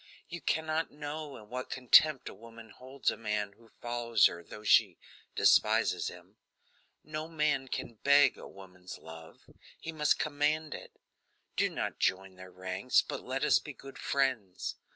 You cannot know in what contempt a woman holds a man who follows her though she despises him. No man can beg a woman's love; he must command it; do not join their ranks, but let us be good friends.